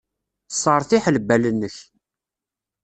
Sseṛtiḥ lbal-nnek.